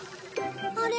あれ？